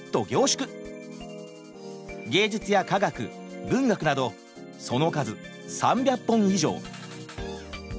芸術や科学文学などその数３００本以上。